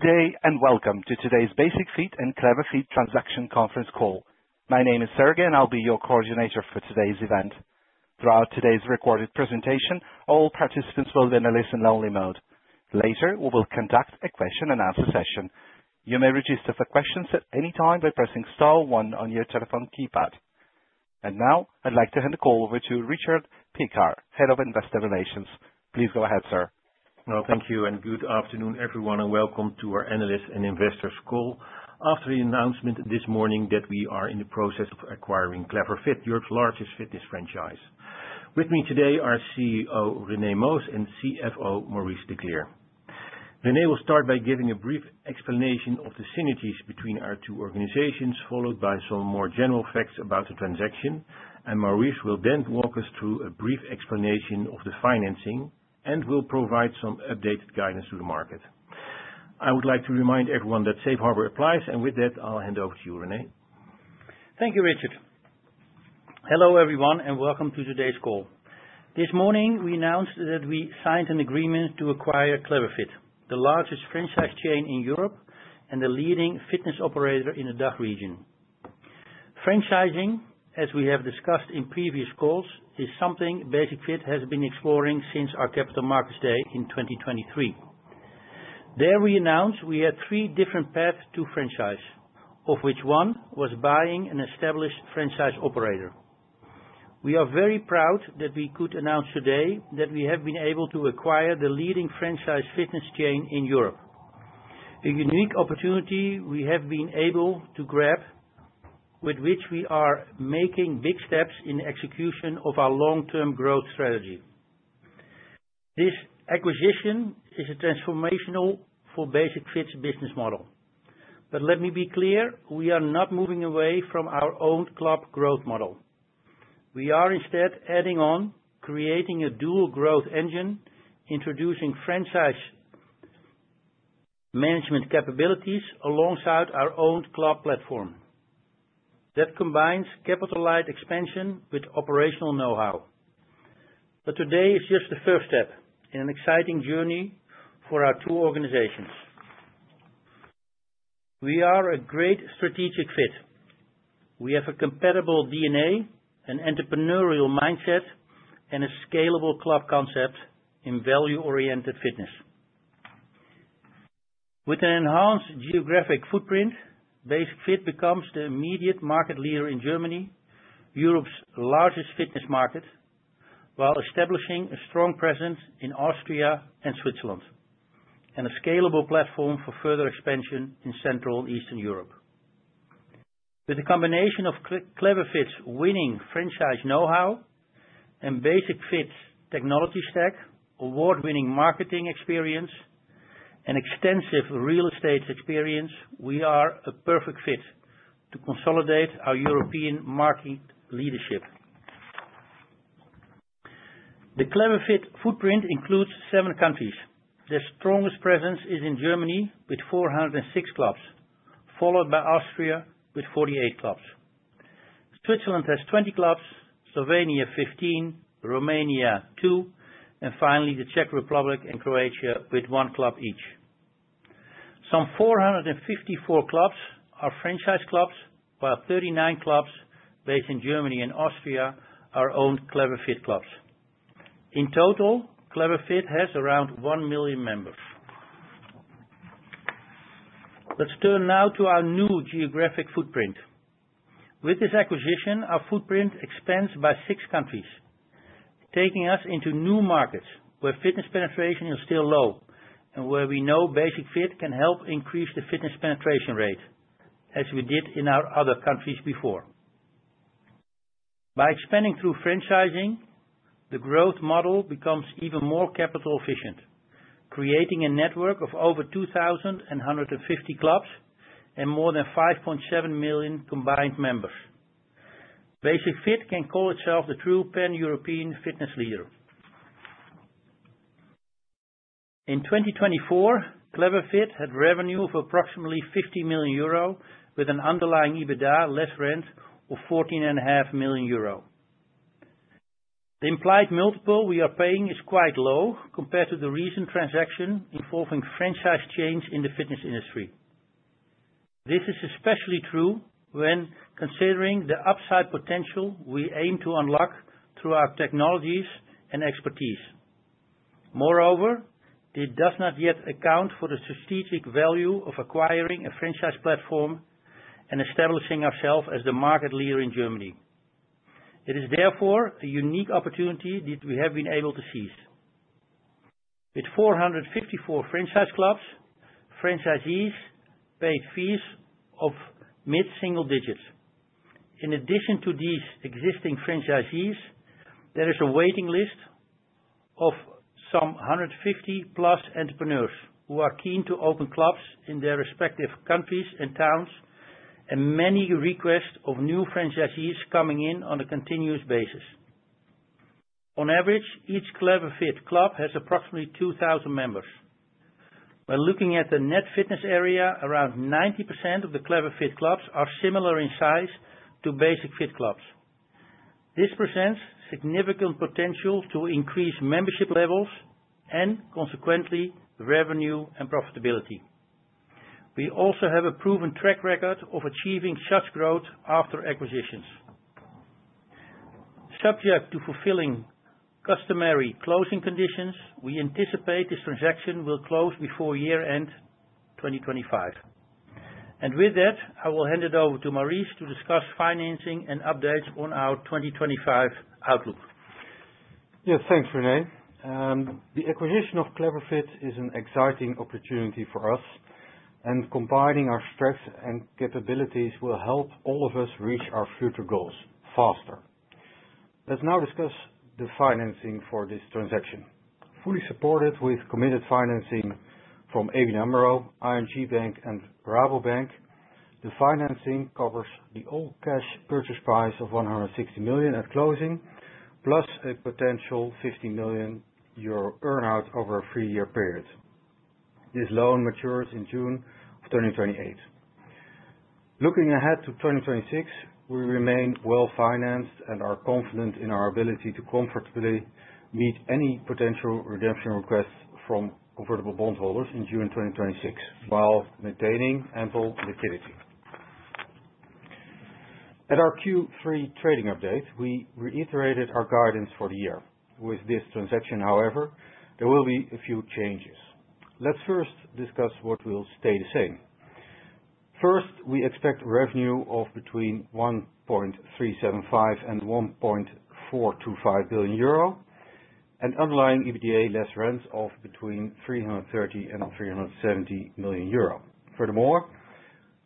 Good day and welcome to today's Basic-Fit and Clever Fit Transaction Conference call. My name is Sergey and I'll be your coordinator for today's event. Throughout today's recorded presentation, all participants will be in a listen-only mode. Later, we will conduct a question-and-answer session. You may register for questions at any time by pressing star one on your telephone keypad, and now, I'd like to hand the call over to Richard Piekaar, Head of Investor Relations. Please go ahead, sir. Well, thank you and good afternoon, everyone, and welcome to our analysts' and investors' call after the announcement this morning that we are in the process of acquiring Clever Fit, Europe's largest fitness franchise. With me today are CEO Rene Moos and CFO Maurice de Kleer. Rene will start by giving a brief explanation of the synergies between our two organizations, followed by some more general facts about the transaction, and Maurice will then walk us through a brief explanation of the financing and will provide some updated guidance to the market. I would like to remind everyone that Safe Harbor applies, and with that, I'll hand over to you, Rene. Thank you, Richard. Hello, everyone, and welcome to today's call. This morning, we announced that we signed an agreement to acquire Clever Fit, the largest franchise chain in Europe and the leading fitness operator in the DACH region. Franchising, as we have discussed in previous calls, is something Basic-Fit has been exploring since our Capital Markets Day in 2023. There we announced we had three different paths to franchise, of which one was buying an established franchise operator. We are very proud that we could announce today that we have been able to acquire the leading franchise fitness chain in Europe. A unique opportunity we have been able to grab, with which we are making big steps in the execution of our long-term growth strategy. This acquisition is a transformational for Basic-Fit's business model. But let me be clear, we are not moving away from our own club growth model. We are instead adding on, creating a dual growth engine, introducing franchise management capabilities alongside our own club platform. That combines capital expansion with operational know-how. But today is just the first step in an exciting journey for our two organizations. We are a great strategic fit. We have a compatible DNA, an entrepreneurial mindset, and a scalable club concept in value-oriented fitness. With an enhanced geographic footprint, Basic-Fit becomes the immediate market leader in Germany, Europe's largest fitness market, while establishing a strong presence in Austria and Switzerland, and a scalable platform for further expansion in Central and Eastern Europe. With the combination of Clever Fit's winning franchise know-how and Basic-Fit's technology stack, award-winning marketing experience, and extensive real estate experience, we are a perfect fit to consolidate our European market leadership. The Clever Fit footprint includes seven countries. The strongest presence is in Germany with 406 clubs, followed by Austria with 48 clubs. Switzerland has 20 clubs, Slovenia 15, Romania two, and finally the Czech Republic and Croatia with one club each. Some 454 clubs are franchise clubs, while 39 clubs based in Germany and Austria are owned Clever Fit clubs. In total, Clever Fit has around one million members. Let's turn now to our new geographic footprint. With this acquisition, our footprint expands by six countries, taking us into new markets where fitness penetration is still low and where we know Basic-Fit can help increase the fitness penetration rate, as we did in our other countries before. By expanding through franchising, the growth model becomes even more capital-efficient, creating a network of over 2,150 clubs and more than 5.7 million combined members. Basic-Fit can call itself the true pan-European fitness leader. In 2024, Clever Fit had revenue of approximately 50 million euro with an underlying EBITDA less rent of 14.5 million euro. The implied multiple we are paying is quite low compared to the recent transaction involving franchise chains in the fitness industry. This is especially true when considering the upside potential we aim to unlock through our technologies and expertise. Moreover, it does not yet account for the strategic value of acquiring a franchise platform and establishing ourselves as the market leader in Germany. It is therefore a unique opportunity that we have been able to seize. With 454 franchise clubs, franchisees paid fees of mid-single digits. In addition to these existing franchisees, there is a waiting list of some 150+ entrepreneurs who are keen to open clubs in their respective countries and towns, and many requests of new franchisees coming in on a continuous basis. On average, each Clever Fit club has approximately 2,000 members. When looking at the net fitness area, around 90% of the Clever Fit clubs are similar in size to Basic-Fit clubs. This presents significant potential to increase membership levels and, consequently, revenue and profitability. We also have a proven track record of achieving such growth after acquisitions. Subject to fulfilling customary closing conditions, we anticipate this transaction will close before year-end 2025, and with that, I will hand it over to Maurice to discuss financing and updates on our 2025 outlook. Yeah, thanks, Rene. The acquisition of Clever Fit is an exciting opportunity for us, and combining our strengths and capabilities will help all of us reach our future goals faster. Let's now discuss the financing for this transaction. Fully supported with committed financing from ABN AMRO, ING Bank, and Rabobank, the financing covers the all-cash purchase price of 160 million at closing, plus a potential 50 million euro earnout over a three-year period. This loan matures in June of 2028. Looking ahead to 2026, we remain well-financed and are confident in our ability to comfortably meet any potential redemption requests from convertible bondholders in June 2026 while maintaining ample liquidity. At our Q3 trading update, we reiterated our guidance for the year. With this transaction, however, there will be a few changes. Let's first discuss what will stay the same. First, we expect revenue of between 1.375 billion euro and 1.425 billion euro and underlying EBITDA less rent of between 330 million and 370 million euro. Furthermore,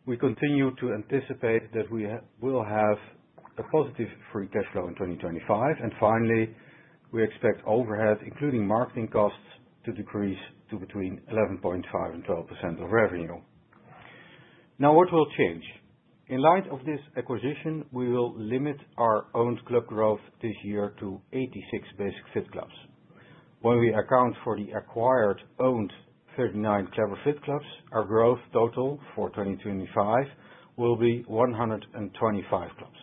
we continue to anticipate that we will have a positive free cash flow in 2025. And finally, we expect overhead, including marketing costs, to decrease to between 11.5% and 12% of revenue. Now, what will change? In light of this acquisition, we will limit our owned club growth this year to 86 Basic-Fit clubs. When we account for the acquired owned 39 Clever Fit clubs, our growth total for 2025 will be 125 clubs.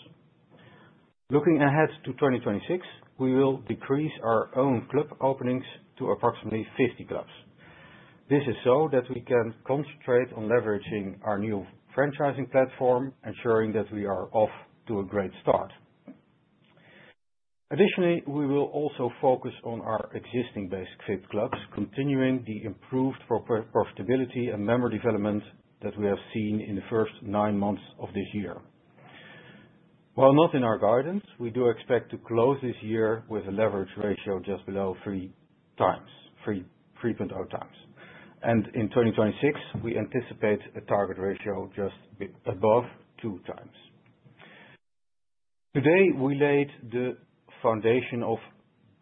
Looking ahead to 2026, we will decrease our owned club openings to approximately 50 clubs. This is so that we can concentrate on leveraging our new franchising platform, ensuring that we are off to a great start. Additionally, we will also focus on our existing Basic-Fit clubs, continuing the improved profitability and member development that we have seen in the first nine months of this year. While not in our guidance, we do expect to close this year with a leverage ratio just below 3.0 times, and in 2026, we anticipate a target ratio just above 2x. Today, we laid the foundation of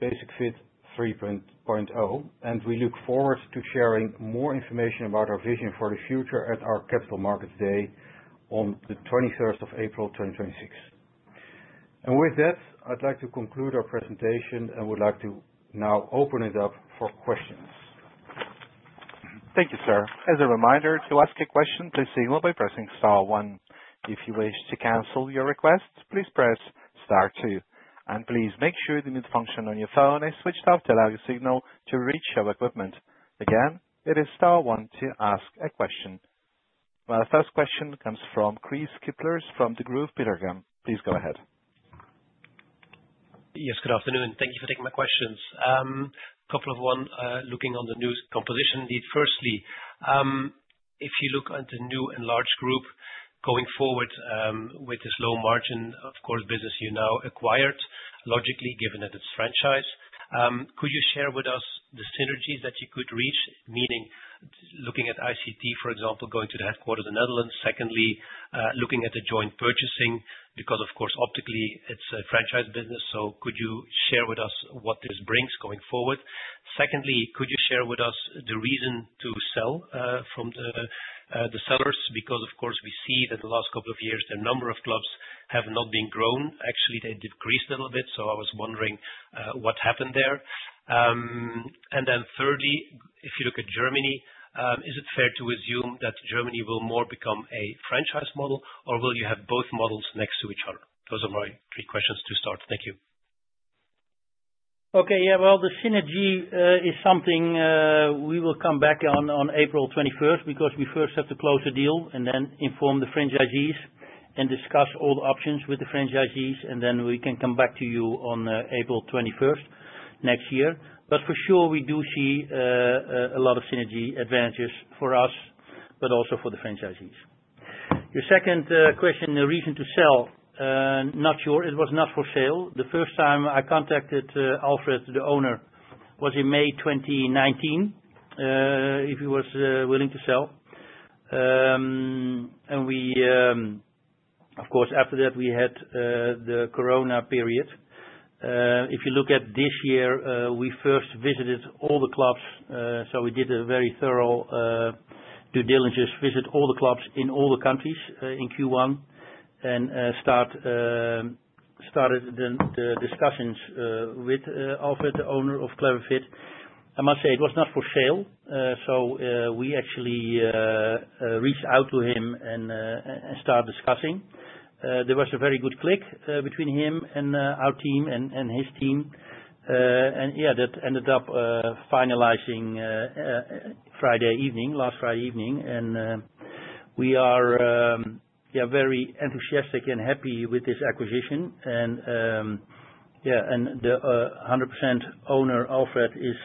Basic-Fit 3.0, and we look forward to sharing more information about our vision for the future at our Capital Markets Day on the 21st of April 2026, and with that, I'd like to conclude our presentation and would like to now open it up for questions. Thank you, sir. As a reminder, to ask a question, please signal by pressing star one. If you wish to cancel your request, please press star two. And please make sure the mute function on your phone is switched off to allow your signal to reach your equipment. Again, it is star one to ask a question. Well, the first question comes from Kris Kippers from Degroof Petercam. Please go ahead. Yes, good afternoon. Thank you for taking my questions. A couple of ones looking on the new composition. Firstly, if you look at the new enlarged group going forward with this low margin, of course, business you now acquired, logically given that it's franchised, could you share with us the synergies that you could reach, meaning looking at ICT, for example, going to the headquarters in Netherlands? Secondly, looking at the joint purchasing, because, of course, optically, it's a franchise business, so could you share with us what this brings going forward? Secondly, could you share with us the reason to sell from the sellers? Because, of course, we see that the last couple of years, the number of clubs have not been grown. Actually, they decreased a little bit, so I was wondering what happened there. And then thirdly, if you look at Germany, is it fair to assume that Germany will more become a franchise model, or will you have both models next to each other? Those are my three questions to start. Thank you. Okay, yeah, well, the synergy is something we will come back on April 21st because we first have to close a deal and then inform the franchisees and discuss all options with the franchisees, and then we can come back to you on April 21st next year. But for sure, we do see a lot of synergy advantages for us, but also for the franchisees. Your second question, the reason to sell, not sure. It was not for sale. The first time I contacted Alfred, the owner, was in May 2019, if he was willing to sell. And we, of course, after that, we had the corona period. If you look at this year, we first visited all the clubs, so we did a very thorough due diligence visit all the clubs in all the countries in Q1 and started the discussions with Alfred, the owner of Clever Fit. I must say it was not for sale, so we actually reached out to him and started discussing. There was a very good click between him and our team and his team. And yeah, that ended up finalizing Friday evening, last Friday evening. And we are very enthusiastic and happy with this acquisition. And yeah, and the 100% owner, Alfred, is,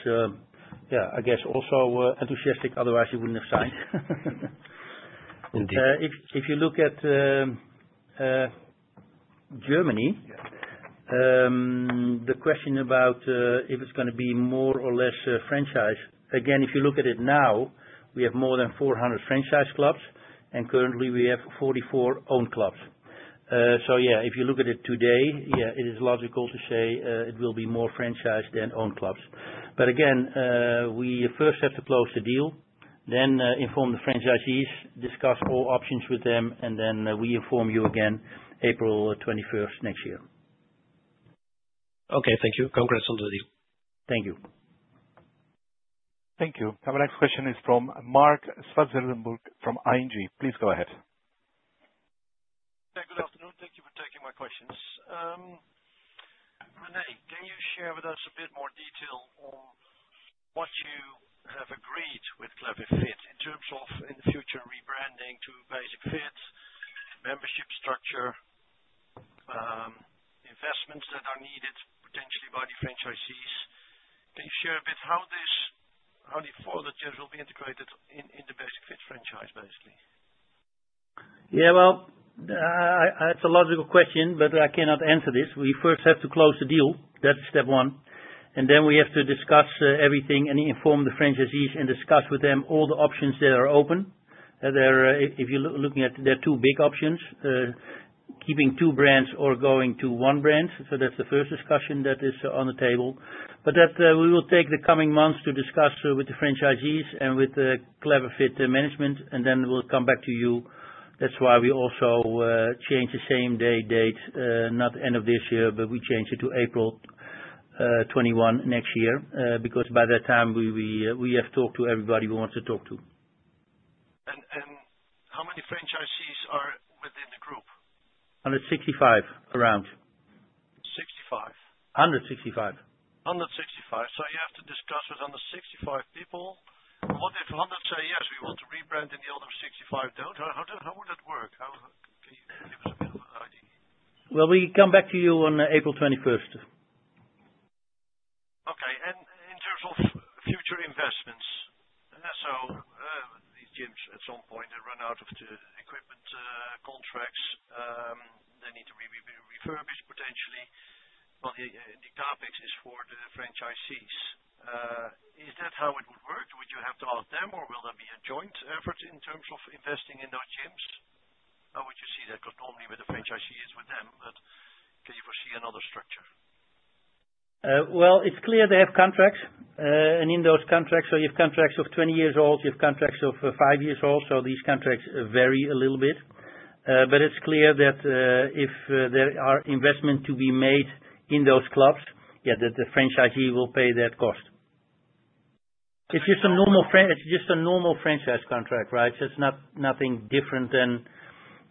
yeah, I guess, also enthusiastic. Otherwise, he wouldn't have signed. If you look at Germany, the question about if it's going to be more or less franchise, again, if you look at it now, we have more than 400 franchise clubs, and currently, we have 44 owned clubs. So yeah, if you look at it today, yeah, it is logical to say it will be more franchise than owned clubs. But again, we first have to close the deal, then inform the franchisees, discuss all options with them, and then we inform you again April 21st next year. Okay, thank you. Congrats on the deal. Thank you. Thank you. Our next question is from Marc Zwartsenburg from ING. Please go ahead. Yeah, good afternoon. Thank you for taking my questions. Rene, can you share with us a bit more detail on what you have agreed with Clever Fit in terms of, in the future, rebranding to Basic-Fit, membership structure, investments that are needed potentially by the franchisees? Can you share a bit how the four letters will be integrated in the Basic-Fit franchise, basically? Yeah, well, it's a logical question, but I cannot answer this. We first have to close the deal. That's step one, and then we have to discuss everything and inform the franchisees and discuss with them all the options that are open. If you're looking at, there are two big options: keeping two brands or going to one brand, so that's the first discussion that is on the table, but we will take the coming months to discuss with the franchisees and with the Clever Fit management, and then we'll come back to you. That's why we also changed the same day date, not end of this year, but we changed it to April 21 next year because by that time, we have talked to everybody we want to talk to. How many franchisees are within the group? 165, around. 65? 165. 165, so you have to discuss with 165 people. What if 100 say, "Yes, we want to rebrand," and the other 65 don't? How would that work? Can you give us a bit of an idea? We come back to you on April 21st. Okay. And in terms of future investments, so these gyms, at some point, they run out of the equipment contracts. They need to be refurbished potentially. But the topic is for the franchisees. Is that how it would work? Would you have to ask them, or will there be a joint effort in terms of investing in those gyms? How would you see that? Because normally, with the franchisees, it's with them, but can you foresee another structure? It's clear they have contracts. In those contracts, so you have contracts of 20 years old, you have contracts of five years old, so these contracts vary a little bit. It's clear that if there are investments to be made in those clubs, yeah, the franchisee will pay that cost. It's just a normal franchise contract, right? It's nothing different than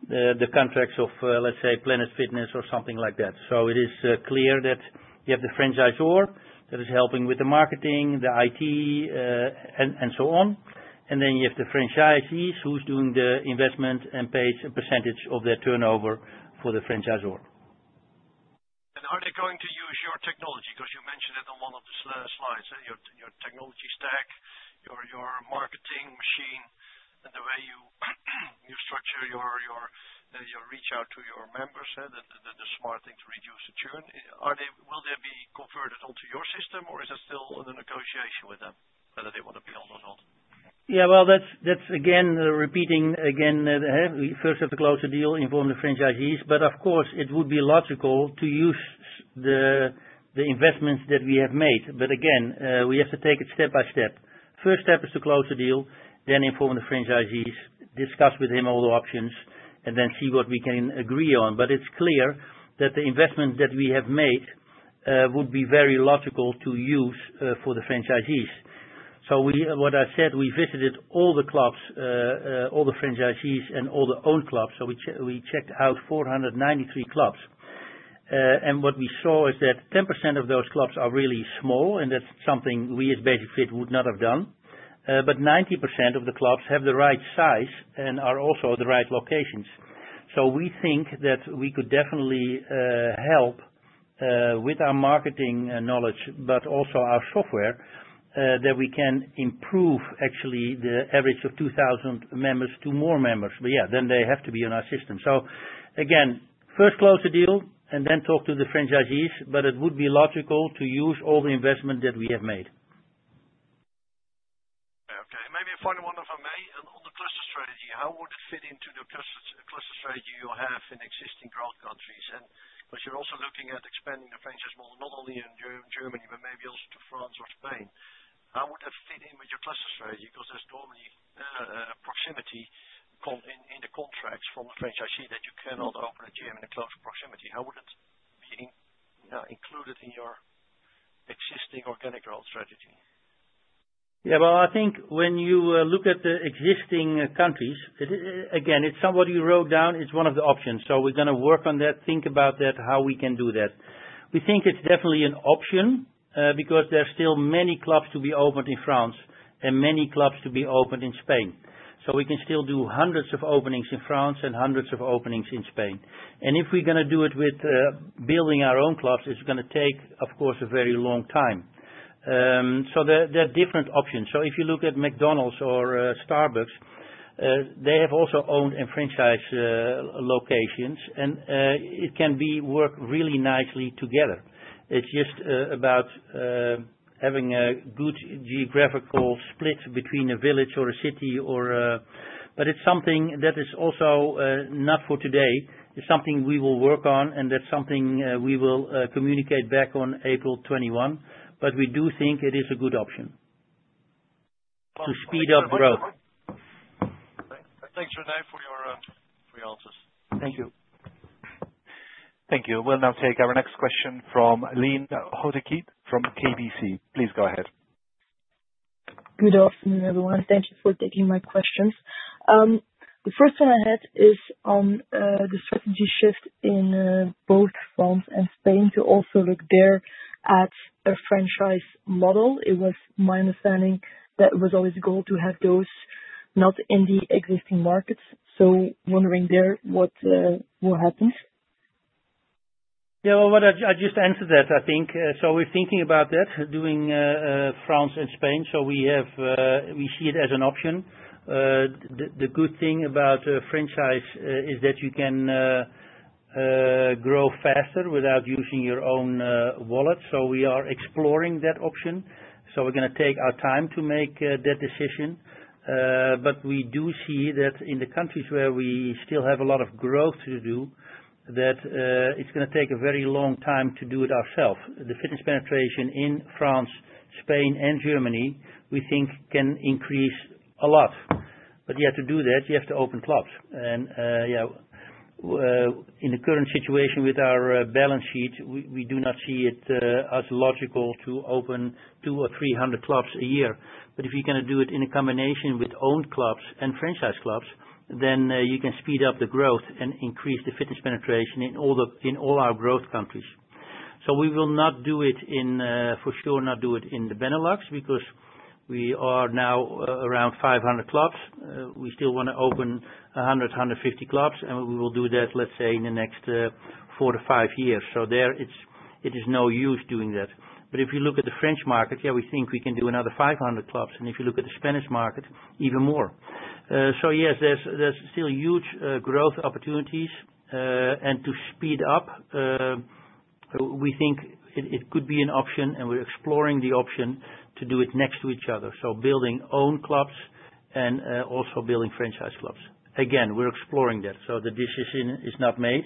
the contracts of, let's say, Planet Fitness or something like that. It is clear that you have the franchisor that is helping with the marketing, the IT, and so on. Then you have the franchisees who's doing the investment and pays a % of their turnover for the franchisor. And are they going to use your technology? Because you mentioned it on one of the slides, your technology stack, your marketing machine, and the way you structure your reach out to your members, the smart thing to reduce the churn. Will they be converted onto your system, or is it still under negotiation with them whether they want to be on or not? Yeah, well, that's again, we first have to close the deal, inform the franchisees. But of course, it would be logical to use the investments that we have made. But again, we have to take it step by step. First step is to close the deal, then inform the franchisees, discuss with him all the options, and then see what we can agree on. But it's clear that the investment that we have made would be very logical to use for the franchisees. So what I said, we visited all the clubs, all the franchisees, and all the owned clubs. So we checked out 493 clubs. And what we saw is that 10% of those clubs are really small, and that's something we, as Basic-Fit, would not have done. But 90% of the clubs have the right size and are also at the right locations. So we think that we could definitely help with our marketing knowledge, but also our software, that we can improve actually the average of 2,000 members to more members. But yeah, then they have to be on our system. So again, first close the deal and then talk to the franchisees, but it would be logical to use all the investment that we have made. Okay. Maybe a final one from me. On the cluster strategy, how would it fit into the cluster strategy you have in existing growth countries? And because you're also looking at expanding the franchise model not only in Germany, but maybe also to France or Spain, how would that fit in with your cluster strategy? Because there's normally proximity in the contracts from the franchisee that you cannot open a gym in a close proximity. How would it be included in your existing organic growth strategy? Yeah, well, I think when you look at the existing countries, again, it's somewhat you wrote down, it's one of the options, so we're going to work on that, think about that, how we can do that. We think it's definitely an option because there are still many clubs to be opened in France and many clubs to be opened in Spain, so we can still do hundreds of openings in France and hundreds of openings in Spain, and if we're going to do it with building our own clubs, it's going to take, of course, a very long time, so there are different options, so if you look at McDonald's or Starbucks, they have also owned and franchised locations, and it can work really nicely together, it's just about having a good geographical split between a village or a city, but it's something that is also not for today. It's something we will work on, and that's something we will communicate back on April 21. But we do think it is a good option to speed up growth. Thanks, Rene, for your answers. Thank you. Thank you. We'll now take our next question from Lynn Hautekeete from KBC. Please go ahead. Good afternoon, everyone. Thank you for taking my questions. The first one I had is on the strategy shift in both France and Spain to also look there at a franchise model. It was my understanding that it was always the goal to have those not in the existing markets. So wondering there what will happen. Yeah, well, I just answered that, I think, so we're thinking about that, doing France and Spain, so we see it as an option. The good thing about franchise is that you can grow faster without using your own wallet, so we are exploring that option, so we're going to take our time to make that decision, but we do see that in the countries where we still have a lot of growth to do, that it's going to take a very long time to do it ourselves. The fitness penetration in France, Spain, and Germany, we think, can increase a lot, but yeah, to do that, you have to open clubs, and yeah, in the current situation with our balance sheet, we do not see it as logical to open 200 or 300 clubs a year. But if you're going to do it in a combination with owned clubs and franchise clubs, then you can speed up the growth and increase the fitness penetration in all our growth countries. So we will not do it in, for sure, not do it in the Benelux because we are now around 500 clubs. We still want to open 100-150 clubs, and we will do that, let's say, in the next four to five years. So there, it is no use doing that. But if you look at the French market, yeah, we think we can do another 500 clubs. And if you look at the Spanish market, even more. So yes, there's still huge growth opportunities. And to speed up, we think it could be an option, and we're exploring the option to do it next to each other. So building owned clubs and also building franchise clubs. Again, we're exploring that. So the decision is not made,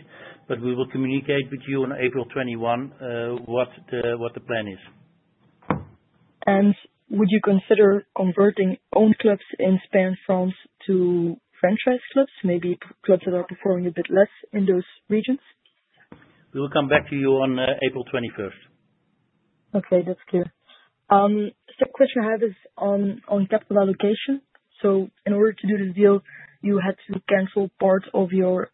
but we will communicate with you on April 21 what the plan is. Would you consider converting owned clubs in Spain, France, to franchise clubs, maybe clubs that are performing a bit less in those regions? We will come back to you on April 21st. Okay, that's clear. Second question I have is on capital allocation. So in order to do this deal, you had to cancel part of your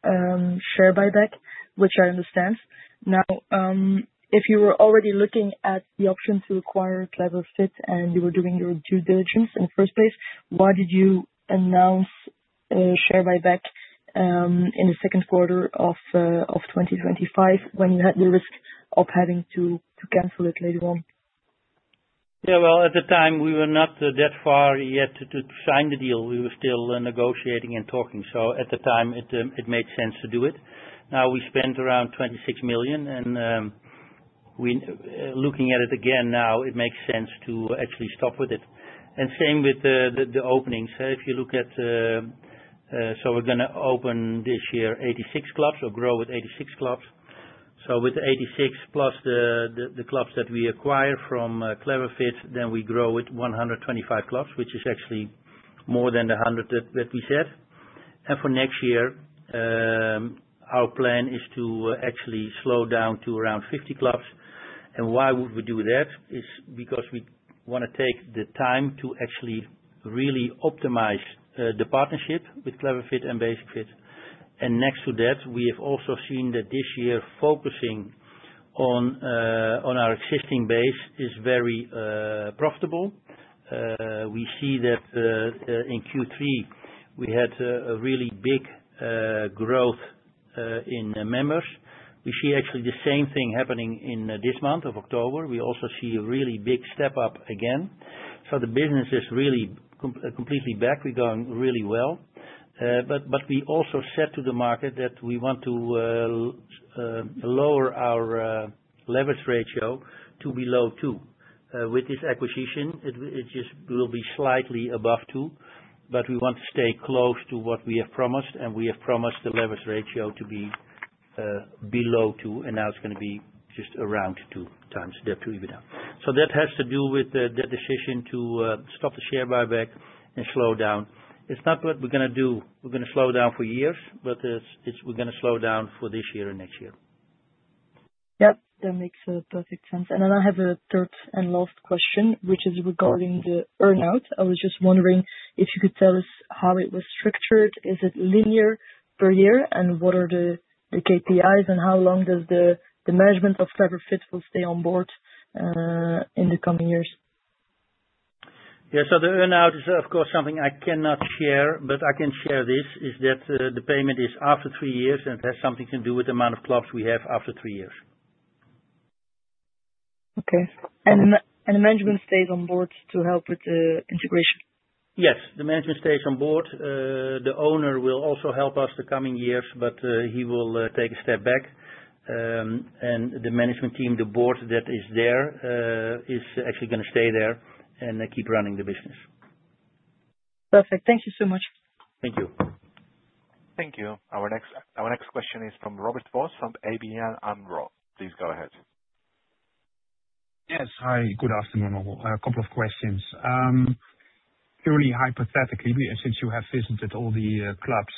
share buyback, which I understand. Now, if you were already looking at the option to acquire Clever Fit and you were doing your due diligence in the first place, why did you announce share buyback in the second quarter of 2025 when you had the risk of having to cancel it later on? Yeah, well, at the time, we were not that far yet to sign the deal. We were still negotiating and talking, so at the time, it made sense to do it. Now, we spent around 26 million, and looking at it again now, it makes sense to actually stop with it, and same with the openings. If you look at, so we're going to open this year 86 clubs or grow with 86 clubs, so with 86 plus the clubs that we acquire from Clever Fit, then we grow with 125 clubs, which is actually more than the 100 that we said, and for next year, our plan is to actually slow down to around 50 clubs, and why would we do that? It's because we want to take the time to actually really optimize the partnership with Clever Fit and Basic-Fit. Next to that, we have also seen that this year, focusing on our existing base is very profitable. We see that in Q3, we had a really big growth in members. We see actually the same thing happening in this month of October. We also see a really big step up again. So the business is really completely back. We're going really well. But we also said to the market that we want to lower our leverage ratio to below two. With this acquisition, it just will be slightly above two, but we want to stay close to what we have promised, and we have promised the leverage ratio to be below two, and now it's going to be just around two times that, two evener. So that has to do with the decision to stop the share buyback and slow down. It's not what we're going to do. We're going to slow down for years, but we're going to slow down for this year and next year. Yep, that makes perfect sense. And then I have a third and last question, which is regarding the Earnout. I was just wondering if you could tell us how it was structured. Is it linear per year, and what are the KPIs, and how long does the management of Clever Fit stay on board in the coming years? Yeah, so the Earnout is, of course, something I cannot share, but I can share this, is that the payment is after three years, and it has something to do with the amount of clubs we have after three years. Okay. And the management stays on board to help with the integration? Yes, the management stays on board. The owner will also help us the coming years, but he will take a step back. And the management team, the board that is there, is actually going to stay there and keep running the business. Perfect. Thank you so much. Thank you. Thank you. Our next question is from Robert Vos from ABN AMRO. Please go ahead. Yes. Hi, good afternoon. A couple of questions. Purely hypothetically, since you have visited all the clubs,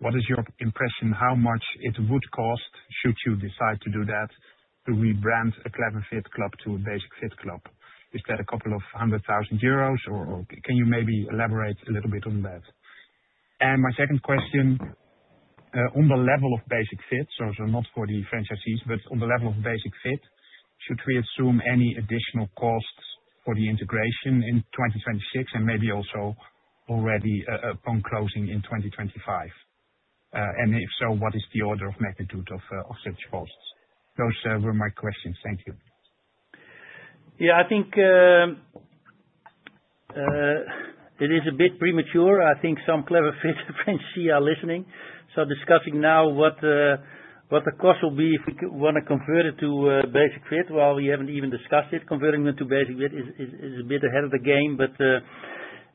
what is your impression? How much it would cost should you decide to do that, to rebrand a Clever Fit club to a Basic-Fit club? Is that a couple of hundred thousand euros, or can you maybe elaborate a little bit on that? And my second question, on the level of Basic-Fit, so not for the franchisees, but on the level of Basic-Fit, should we assume any additional costs for the integration in 2026, and maybe also already upon closing in 2025? And if so, what is the order of magnitude of such costs? Those were my questions. Thank you. Yeah, I think it is a bit premature. I think some Clever Fit franchisees are listening. So discussing now what the cost will be if we want to convert it to Basic-Fit, while we haven't even discussed it, converting them to Basic-Fit is a bit ahead of the game. But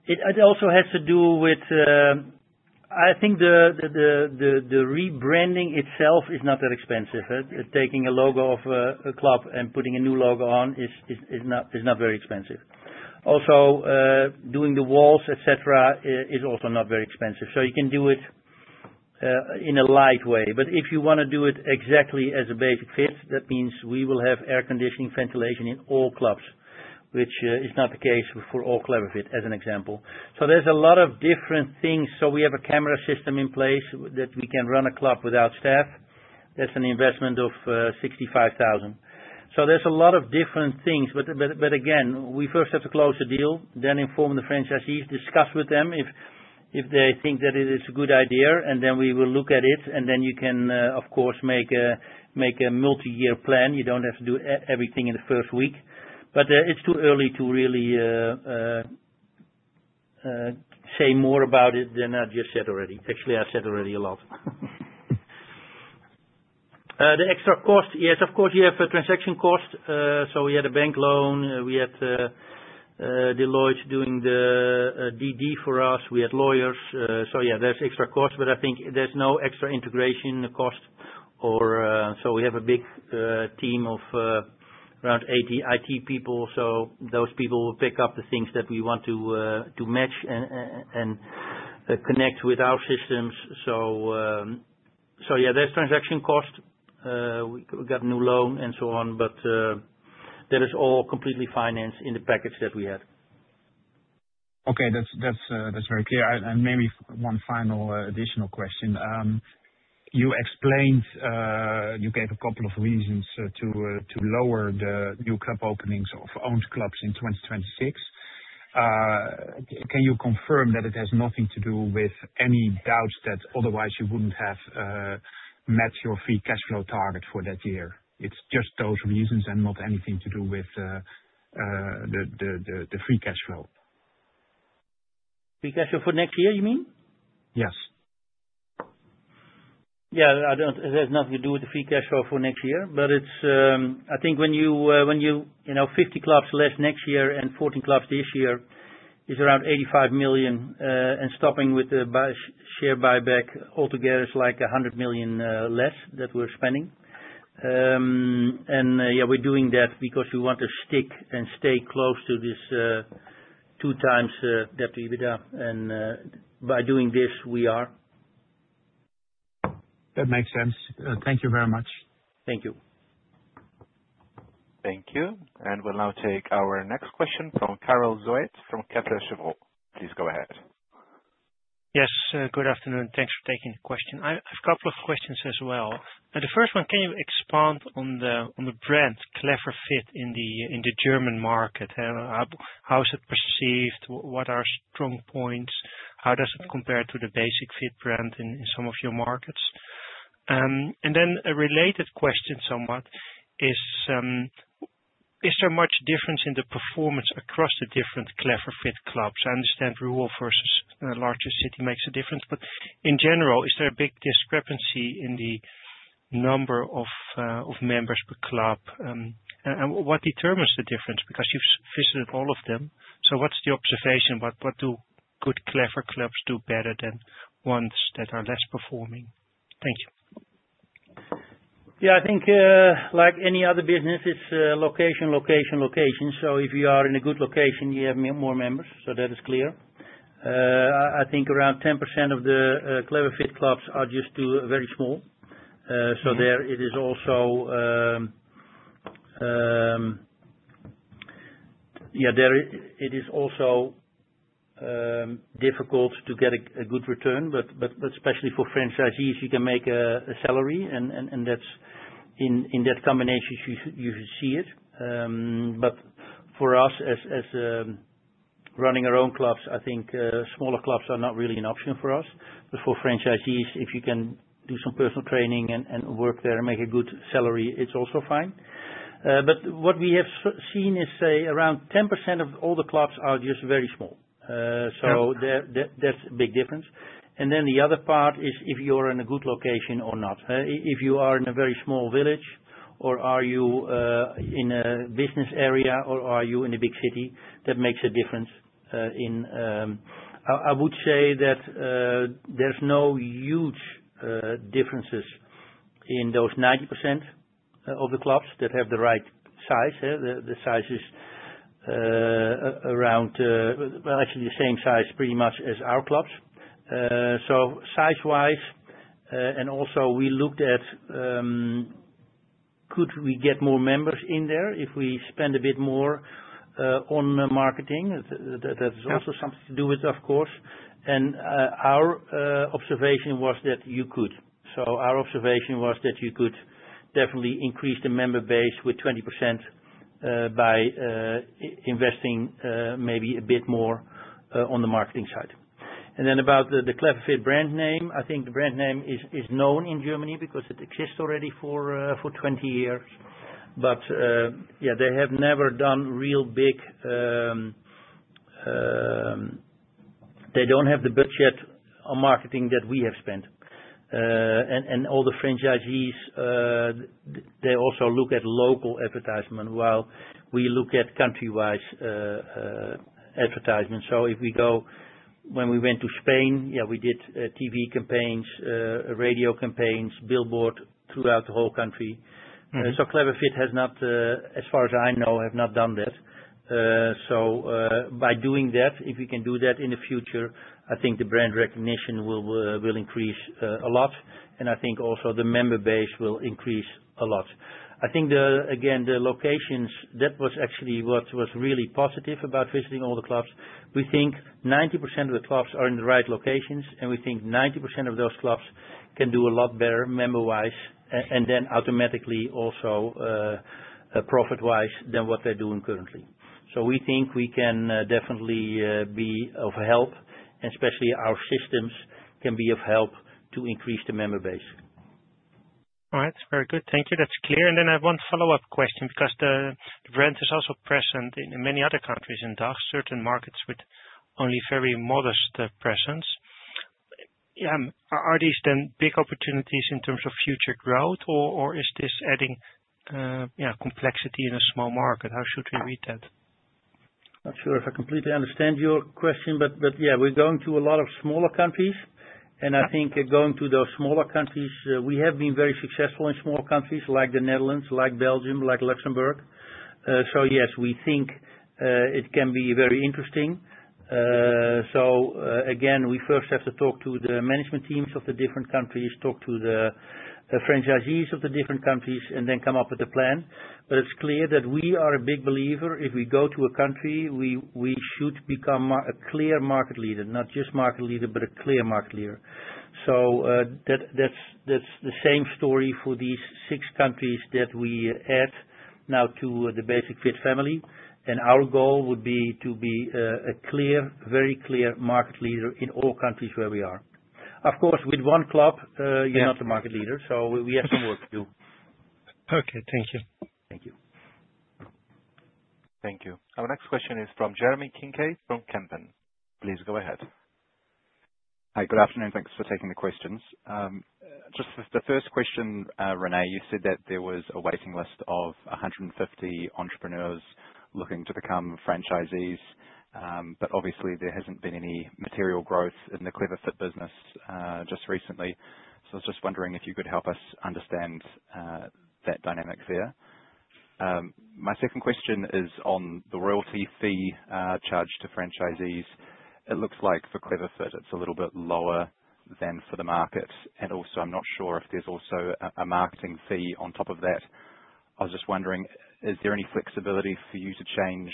it also has to do with, I think, the rebranding itself is not that expensive. Taking a logo of a club and putting a new logo on is not very expensive. Also, doing the walls, etc., is also not very expensive. So you can do it in a light way. But if you want to do it exactly as a Basic-Fit, that means we will have air conditioning, ventilation in all clubs, which is not the case for all Clever Fit, as an example. So there's a lot of different things. So we have a camera system in place that we can run a club without staff. That's an investment of 65,000. So there's a lot of different things. But again, we first have to close the deal, then inform the franchisees, discuss with them if they think that it is a good idea, and then we will look at it. And then you can, of course, make a multi-year plan. You don't have to do everything in the first week. But it's too early to really say more about it than I just said already. Actually, I said already a lot. The extra cost, yes. Of course, you have a transaction cost. So we had a bank loan. We had Deloitte doing the DD for us. We had lawyers. So yeah, there's extra cost. But I think there's no extra integration cost. So we have a big team of around 80 IT people. So those people will pick up the things that we want to match and connect with our systems. So yeah, there's transaction cost. We got a new loan and so on, but that is all completely financed in the package that we had. Okay, that's very clear. And maybe one final additional question. You explained you gave a couple of reasons to lower the new club openings of owned clubs in 2026. Can you confirm that it has nothing to do with any doubts that otherwise you wouldn't have met your free cash flow target for that year? It's just those reasons and not anything to do with the free cash flow. Free cash flow for next year, you mean? Yes. Yeah, there's nothing to do with the free cash flow for next year. But I think when you have 50 clubs less next year and 14 clubs this year, it's around 85 million. And stopping with the share buyback altogether is like 100 million less that we're spending. And yeah, we're doing that because we want to stick and stay close to this two times that we've done. And by doing this, we are. That makes sense. Thank you very much. Thank you. Thank you, and we'll now take our next question from Karel Zoete from Kepler Cheuvreux. Please go ahead. Yes, good afternoon. Thanks for taking the question. I have a couple of questions as well. The first one, can you expand on the brand Clever Fit in the German market? How is it perceived? What are strong points? How does it compare to the Basic-Fit brand in some of your markets? And then a related question somewhat is, is there much difference in the performance across the different Clever Fit clubs? I understand rural versus a larger city makes a difference. But in general, is there a big discrepancy in the number of members per club? And what determines the difference? Because you've visited all of them. So what's the observation? What do good Clever Fit clubs do better than ones that are less performing? Thank you. Yeah, I think like any other business, it's location, location, location, so if you are in a good location, you have more members, so that is clear. I think around 10% of the Clever Fit clubs are just very small, so there it is also, it is also difficult to get a good return, but especially for franchisees, you can make a salary, and in that combination, you should see it, but for us, as running our own clubs, I think smaller clubs are not really an option for us. But for franchisees, if you can do some personal training and work there and make a good salary, it's also fine. But what we have seen is, say, around 10% of all the clubs are just very small, so that's a big difference, and then the other part is if you are in a good location or not. If you are in a very small village, or are you in a business area, or are you in a big city, that makes a difference. I would say that there's no huge differences in those 90% of the clubs that have the right size. The size is around, well, actually the same size pretty much as our clubs, so size-wise, and also we looked at could we get more members in there if we spend a bit more on marketing, that's also something to do with, of course, and our observation was that you could, so our observation was that you could definitely increase the member base with 20% by investing maybe a bit more on the marketing side, and then about the Clever Fit brand name, I think the brand name is known in Germany because it exists already for 20 years. But yeah, they have never done real big. They don't have the budget on marketing that we have spent. And all the franchisees, they also look at local advertisement while we look at countrywide advertisement. So if we go, when we went to Spain, yeah, we did TV campaigns, radio campaigns, billboard throughout the whole country. So Clever Fit has not, as far as I know, done that. So by doing that, if we can do that in the future, I think the brand recognition will increase a lot. And I think also the member base will increase a lot. I think, again, the locations. That was actually what was really positive about visiting all the clubs. We think 90% of the clubs are in the right locations, and we think 90% of those clubs can do a lot better member-wise and then automatically also profit-wise than what they're doing currently. So we think we can definitely be of help, and especially our systems can be of help to increase the member base. All right. Very good. Thank you. That's clear, and then I have one follow-up question because the brand is also present in many other countries and certain markets with only very modest presence. Are these then big opportunities in terms of future growth, or is this adding complexity in a small market? How should we read that? Not sure if I completely understand your question, but yeah, we're going to a lot of smaller countries, and I think going to those smaller countries, we have been very successful in small countries like the Netherlands, like Belgium, like Luxembourg, so yes, we think it can be very interesting, so again, we first have to talk to the management teams of the different countries, talk to the franchisees of the different countries, and then come up with a plan, but it's clear that we are a big believer if we go to a country, we should become a clear market leader, not just market leader, but a clear market leader, so that's the same story for these six countries that we add now to the Basic-Fit family, and our goal would be to be a clear, very clear market leader in all countries where we are. Of course, with one club, you're not the market leader, so we have some work to do. Okay. Thank you. Thank you. Thank you. Our next question is from Jeremy Kincaid from Kempen. Please go ahead. Hi, good afternoon. Thanks for taking the questions. Just the first question, René, you said that there was a waiting list of 150 entrepreneurs looking to become franchisees. But obviously, there hasn't been any material growth in the Clever Fit business just recently. So I was just wondering if you could help us understand that dynamic there. My second question is on the royalty fee charged to franchisees. It looks like for Clever Fit, it's a little bit lower than for the market. And also, I'm not sure if there's also a marketing fee on top of that. I was just wondering, is there any flexibility for you to change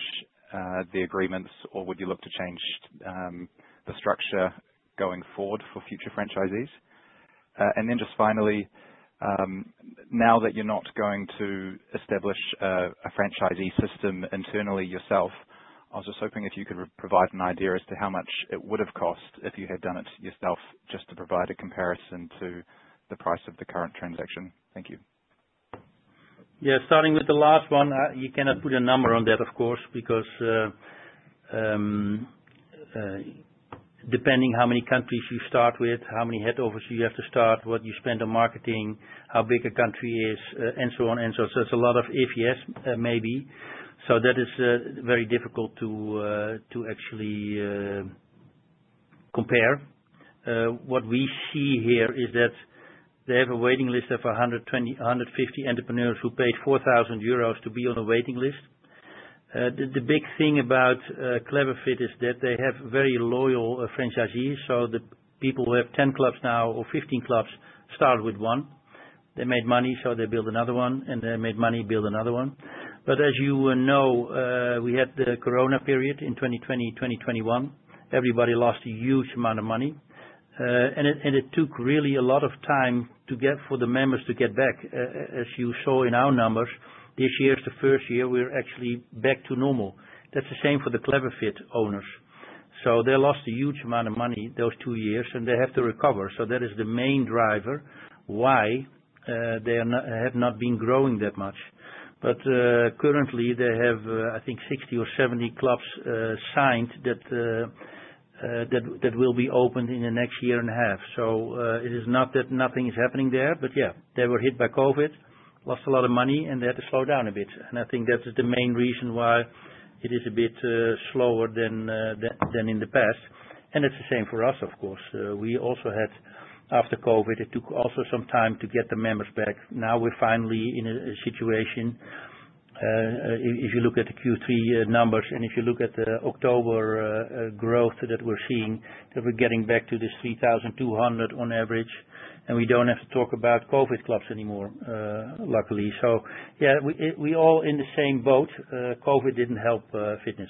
the agreements, or would you look to change the structure going forward for future franchisees? And then just finally, now that you're not going to establish a franchisee system internally yourself, I was just hoping if you could provide an idea as to how much it would have cost if you had done it yourself just to provide a comparison to the price of the current transaction. Thank you. Yeah, starting with the last one, you cannot put a number on that, of course, because depending on how many countries you start with, how many head offices you have to start, what you spend on marketing, how big a country is, and so on and so on. So there's a lot of if/yes, maybe. So that is very difficult to actually compare. What we see here is that they have a waiting list of 150 entrepreneurs who paid 4,000 euros to be on the waiting list. The big thing about Clever Fit is that they have very loyal franchisees. So the people who have 10 clubs now or 15 clubs start with one. They made money, so they build another one, and they made money, build another one. But as you know, we had the corona period in 2020, 2021. Everybody lost a huge amount of money. And it took really a lot of time for the members to get back. As you saw in our numbers, this year is the first year we're actually back to normal. That's the same for the Clever Fit owners. So they lost a huge amount of money those two years, and they have to recover. So that is the main driver why they have not been growing that much. But currently, they have, I think, 60 or 70 clubs signed that will be opened in the next year and a half. So it is not that nothing is happening there, but yeah, they were hit by COVID, lost a lot of money, and they had to slow down a bit. And I think that's the main reason why it is a bit slower than in the past. And it's the same for us, of course. We also had, after COVID, it took also some time to get the members back. Now we're finally in a situation, if you look at the Q3 numbers, and if you look at the October growth that we're seeing, that we're getting back to this 3,200 on average. And we don't have to talk about COVID clubs anymore, luckily. So yeah, we're all in the same boat. COVID didn't help fitness.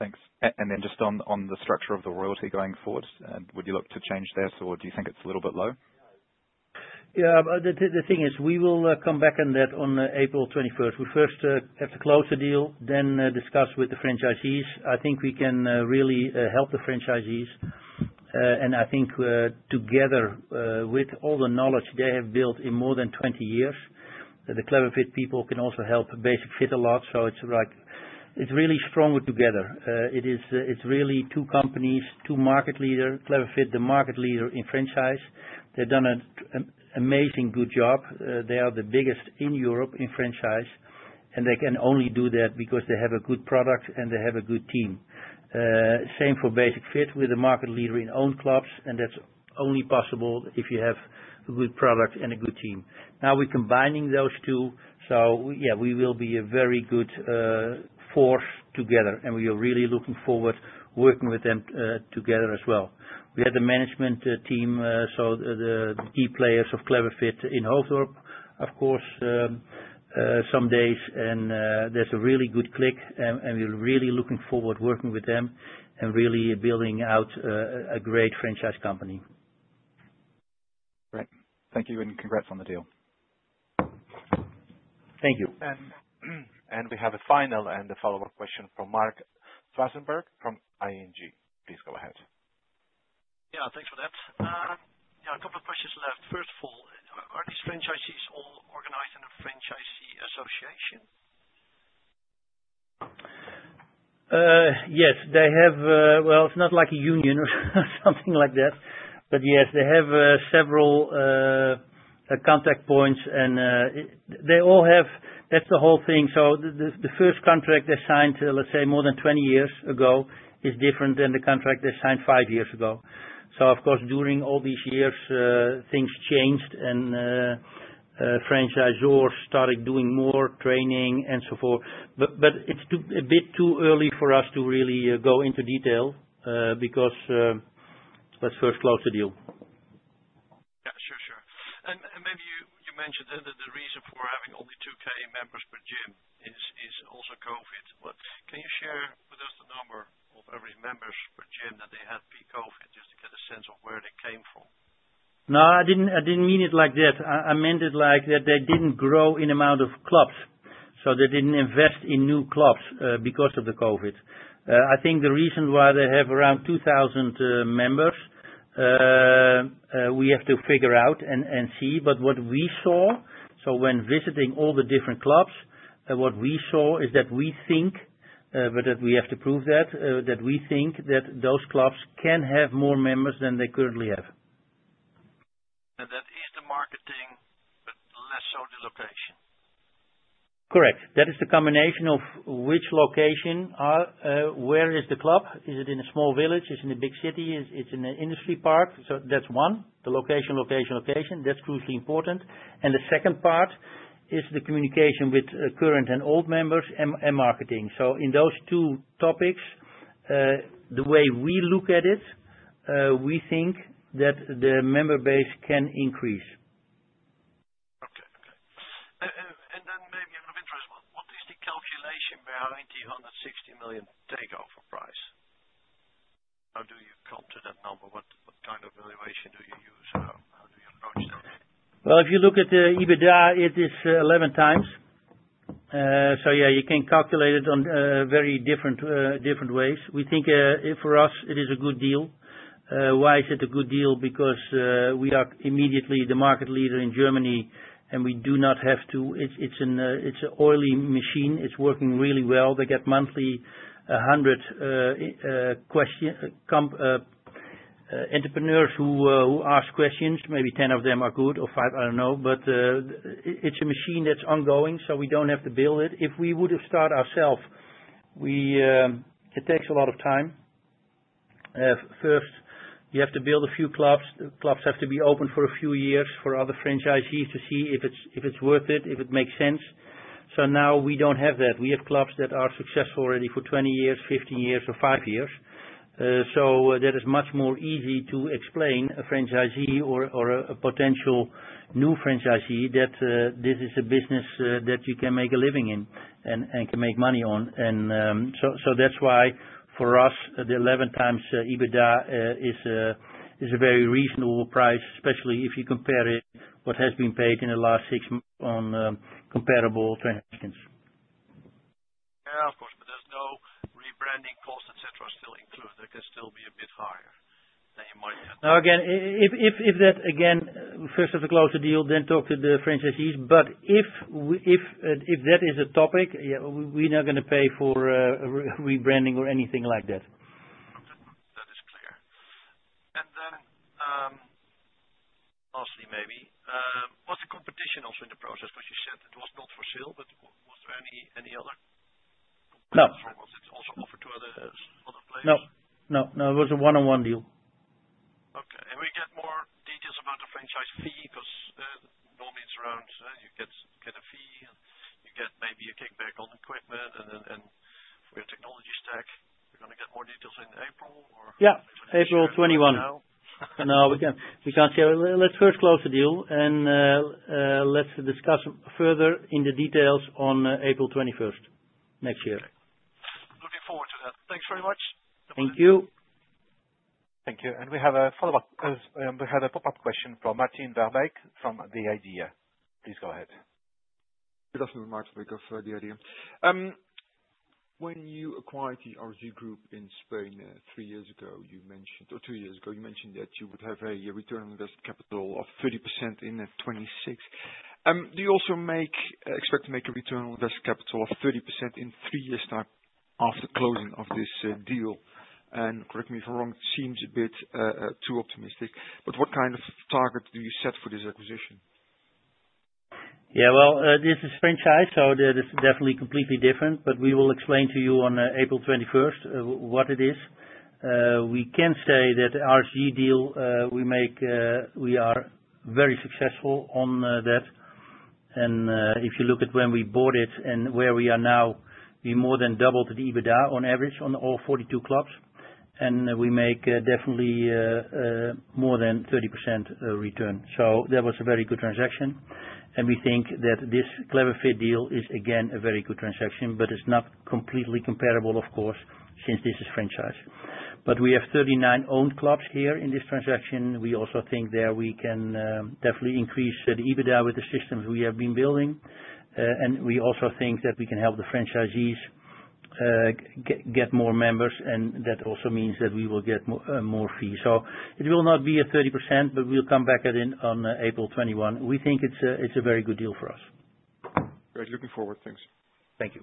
Thanks. And then just on the structure of the royalty going forward, would you look to change there, or do you think it's a little bit low? Yeah, the thing is we will come back on that on April 21st. We first have to close the deal, then discuss with the franchisees. I think we can really help the franchisees. And I think together with all the knowledge they have built in more than 20 years, the Clever Fit people can also help Basic-Fit a lot. So it's really strong together. It's really two companies, two market leaders. Clever Fit, the market leader in franchise. They've done an amazing good job. They are the biggest in Europe in franchise. And they can only do that because they have a good product and they have a good team. Same for Basic-Fit with the market leader in owned clubs. And that's only possible if you have a good product and a good team. Now we're combining those two. So yeah, we will be a very good force together. And we are really looking forward to working with them together as well. We had the management team, so the key players of Clever Fit in Hoofddorp, of course, some days. And there's a really good click. And we're really looking forward to working with them and really building out a great franchise company. Great. Thank you. And congrats on the deal. Thank you. And we have a final and a follow-up question from Marc Zwartsenburg from ING. Please go ahead. Yeah, thanks for that. Yeah, a couple of questions left. First of all, are these franchisees all organized in a franchisee association? Yes. They have, well, it's not like a union or something like that. But yes, they have several contact points. And they all have, that's the whole thing. So the first contract they signed, let's say, more than 20 years ago, is different than the contract they signed five years ago. So of course, during all these years, things changed, and franchisors started doing more training and so forth. But it's a bit too early for us to really go into detail because, let's first close the deal. Yeah, sure, sure. And maybe you mentioned that the reason for having only 2K members per gym is also COVID. But can you share with us the number of every member per gym that they had pre-COVID just to get a sense of where they came from? No, I didn't mean it like that. I meant it like that they didn't grow in the amount of clubs, so they didn't invest in new clubs because of the COVID. I think the reason why they have around 2,000 members, we have to figure out and see, but what we saw, so when visiting all the different clubs, what we saw is that we think, but we have to prove that, that we think that those clubs can have more members than they currently have. That is the marketing, but less so the location. Correct. That is the combination of which location, where is the club? Is it in a small village? Is it in a big city? Is it in an industrial park? So that's one. The location, location, location, that's crucially important. And the second part is the communication with current and old members and marketing. So in those two topics, the way we look at it, we think that the member base can increase. Okay. And then maybe another interesting one. What is the calculation behind the 160 million takeover price? How do you come to that number? What kind of valuation do you use? How do you approach that? Well, if you look at the EBITDA, it is 11 times. So yeah, you can calculate it in very different ways. We think for us, it is a good deal. Why is it a good deal? Because we are immediately the market leader in Germany, and we do not have to. It's an oily machine. It's working really well. They get monthly 100 entrepreneurs who ask questions. Maybe 10 of them are good or 5, I don't know. But it's a machine that's ongoing, so we don't have to build it. If we would have started ourselves, it takes a lot of time. First, you have to build a few clubs. The clubs have to be open for a few years for other franchisees to see if it's worth it, if it makes sense. So now we don't have that. We have clubs that are successful already for 20 years, 15 years, or five years. So that is much more easy to explain a franchisee or a potential new franchisee that this is a business that you can make a living in and can make money on. And so that's why for us, the 11 times EBITDA is a very reasonable price, especially if you compare it to what has been paid in the last six months on comparable franchises. Yeah, of course, but there's no rebranding costs, etc., still included. That can still be a bit higher than you might. Now, first have to close the deal, then talk to the franchisees, but if that is a topic, yeah, we're not going to pay for rebranding or anything like that. That is clear. And then lastly, maybe, what's the competition also in the process? Because you said it was not for sale, but was there any other competition? No. Or was it also offered to other players? No. No. No. It was a one-on-one deal. Okay. And we get more details about the franchise fee because normally it's around you get a fee, you get maybe a kickback on equipment, and then for your technology stack, you're going to get more details in April or? Yeah. April 21. No, we can't share. Let's first close the deal, and let's discuss further in the details on April 21st next year. Okay. Looking forward to that. Thanks very much. Thank you. Thank you. We have a follow-up. We had a pop-up question from Martijn Verbeek from The Idea. Please go ahead. Good afternoon, Mart, from The Idea. When you acquired the RSG Group in Spain three years ago, you mentioned, or two years ago, you mentioned that you would have a return on invested capital of 30% in 2026. Do you also expect to make a return on invested capital of 30% in three years' time after closing of this deal? And correct me if I'm wrong, it seems a bit too optimistic. But what kind of target do you set for this acquisition? Yeah, well, this is franchise, so that is definitely completely different, but we will explain to you on April 21st what it is. We can say that the RSG deal. We are very successful on that, and if you look at when we bought it and where we are now, we more than doubled the EBITDA on average on all 42 clubs, and we make definitely more than 30% return, so that was a very good transaction, and we think that this Clever Fit deal is, again, a very good transaction, but it's not completely comparable, of course, since this is franchise, but we have 39 owned clubs here in this transaction. We also think there we can definitely increase the EBITDA with the systems we have been building. And we also think that we can help the franchisees get more members, and that also means that we will get more fees. So it will not be a 30%, but we'll come back on April 21. We think it's a very good deal for us. Great. Looking forward. Thanks. Thank you.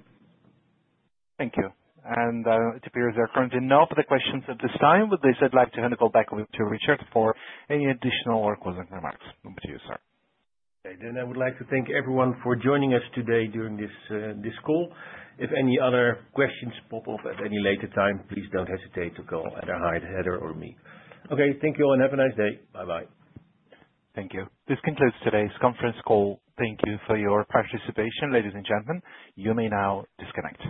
Thank you. And it appears there are currently no further questions at this time. With this, I'd like to hand it back over to Richard for any additional or closing remarks. Over to you, sir. Okay. Then I would like to thank everyone for joining us today during this call. If any other questions pop up at any later time, please don't hesitate to call either Hidde or me. Okay. Thank you all and have a nice day. Bye-bye. Thank you. This concludes today's conference call. Thank you for your participation, ladies and gentlemen. You may now disconnect.